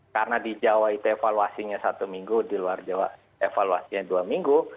karena di jawa itu evaluasinya satu minggu di luar jawa evaluasinya dua minggu